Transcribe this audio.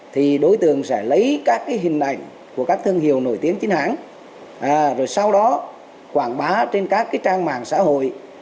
thì đối tượng sẽ lấy các hình ảnh của các thương hiệu nổi tiếng chính hãng rồi sau đó quảng bá trên các trang mạng xã hội